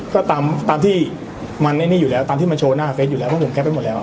ก็ตามที่มันไอ้นี่อยู่แล้วตามที่มาโชว์หน้าเฟสอยู่แล้วเพราะผมแป๊บไปหมดแล้ว